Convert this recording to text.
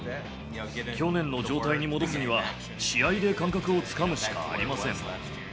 去年の状態に戻すには、試合で感覚をつかむしかありません。